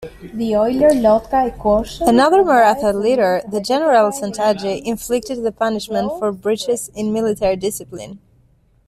Another Maratha leader, the general Santaji, inflicted the punishment for breaches in military discipline.